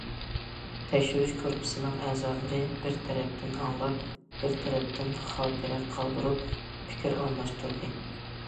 تەكشۈرۈش گۇرۇپپىسىنىڭ ئەزالىرى بىر تەرەپتىن ئاڭلاپ، بىر تەرەپتىن خاتىرە قالدۇرۇپ، پىكىر ئالماشتۇردى.